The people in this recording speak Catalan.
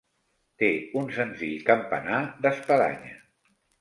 Té un senzill campanar d'espadanya.